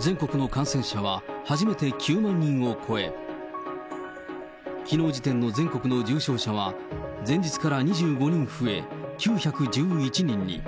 全国の感染者は初めて９万人を超え、きのう時点の全国の重症者は、前日から２５人増え、９１１人に。